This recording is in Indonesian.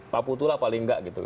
pak putu lah paling nggak gitu